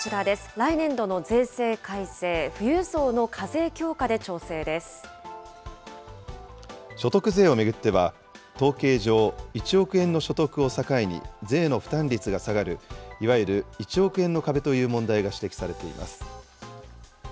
来年度の税制改正、所得税を巡っては、統計上、１億円の所得を境に税の負担率が下がる、いわゆる１億円の壁という問題が指摘されています。